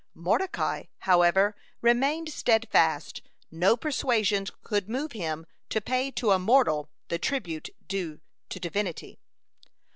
Mordecai, however, remained steadfast; no persuasions could move him to pay to a mortal the tribute due to Divinity.